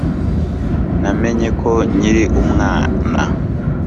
Namenye ko nkiri umwana